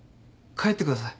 帰ってください。